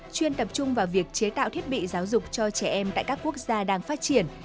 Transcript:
chung vào việc chế tạo thiết bị giáo dục cho trẻ em tại các quốc gia đang phát triển